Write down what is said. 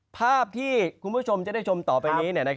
ภาพที่คุณผู้ชมจะได้ชมต่อไปนี้